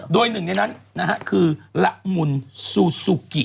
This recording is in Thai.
โดยหนึ่งในนั้นนะฮะคือละมุนซูซูกิ